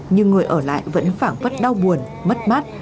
nhưng người ở lại vẫn phản vất đau buồn mất mát